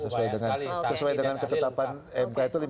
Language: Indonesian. lima belas sesuai dengan ketetapan mk itu lima belas